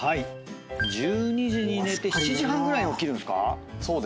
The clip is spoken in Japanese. １２時に寝て７時半ぐらいに起きるんすか。